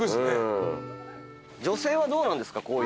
女性はどうなんですか？